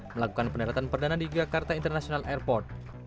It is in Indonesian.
melakukan pendaratan perdana di jakarta international airport